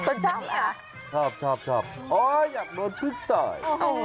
ต้นชอบเหรอชอบโอ้ยอยากโดนพลิกต่อย